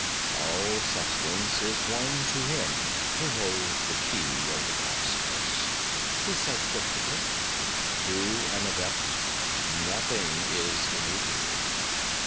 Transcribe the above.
'All substance is one to him who holds the key of the cosmos,' he said cryptically. 'To an adept nothing is immutable.